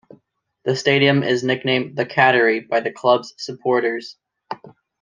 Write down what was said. The stadium is nicknamed "The Cattery" by the club's supporters.